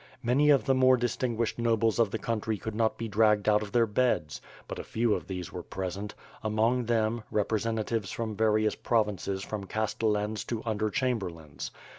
Many of the more dis tinguished nobles of the country could not be dragged out of their beds, but a few of these were present, among them, representatives from various provinces from castellans to under chamberlains.